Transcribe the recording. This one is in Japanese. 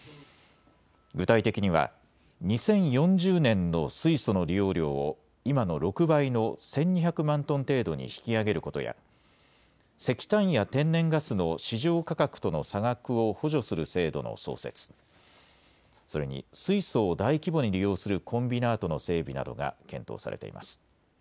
具体的には、２０４０年の水素の利用量を今の６倍の１２００万トン程度に引き上げることや石炭や天然ガスの市場価格との差額を補助する制度の創設、それに水素を大規模に利用するコンビナートの整備などが検討されています。